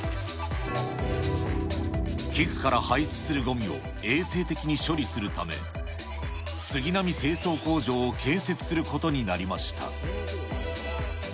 貴区から排出するごみを衛生的に処理するため、杉並清掃工場を建設することになりました。